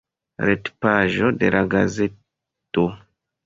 Retpaĝo de la gazeto.